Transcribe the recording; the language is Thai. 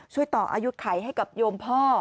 ช่วยต่ออายุไขให้กับโยมพ่อ